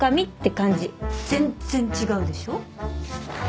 全っ然違うでしょ？